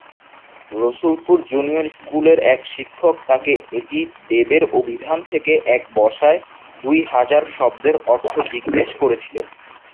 Rasulpur junior স্কুলের এক শিক্ষক তাকে এ টি দেবের অভিধান থেকে এক বসায় দুই হাজার শব্দের অর্থ জিজ্ঞেস করেছিলেন।